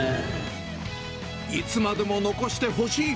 いつまでも残してほしい。